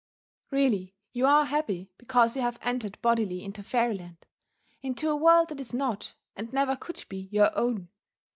Really you are happy because you have entered bodily into Fairyland, into a world that is not, and never could be your own.